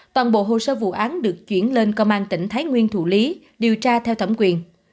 toàn bộ hồ sơ vụ án được chuyển lên công an tỉnh thái nguyên thủ lý điều tra theo thẩm quyền